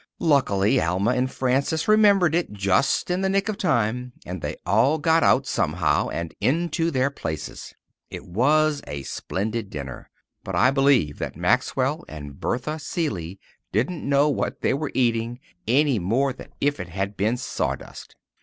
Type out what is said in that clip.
Luckily, Alma and Frances remembered it just in the nick of time, and they all got out, somehow, and into their places. It was a splendid dinner, but I believe that Maxwell and Bertha Seeley didn't know what they were eating, any more than if it had been sawdust.